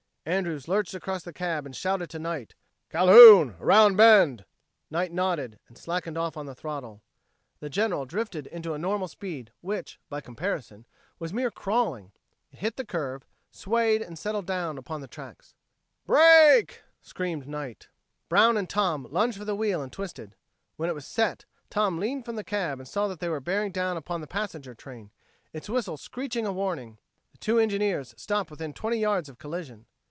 Andrews lurched across the cab and shouted to Knight: "Calhoun around bend!" Knight nodded and slackened off on the throttle. The General drifted into a normal speed which, by comparison, was mere crawling; it hit the curve, swayed and settled down upon the tracks. "Brake!" screamed Knight. Brown and Tom lunged for the wheel and twisted. When it was set, Tom leaned from the cab and saw that they were bearing down upon the passenger train, its whistle screeching a warning. The two engines stopped within twenty yards of collision.